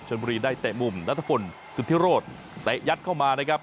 ชนบุรีได้เตะมุมนัทพลสุธิโรธเตะยัดเข้ามานะครับ